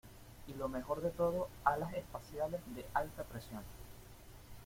¡ Y lo mejor de todo, alas espaciales de alta presión!